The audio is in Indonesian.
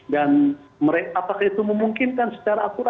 dan apakah itu memungkinkan secara akurat